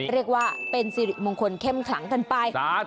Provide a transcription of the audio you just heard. เรียกว่าเป็นสิริมงคลเข้มขลังกันไป